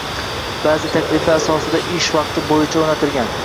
Ba`zi takliflar asosida ish vaqti boʻyicha oʻrnatilgan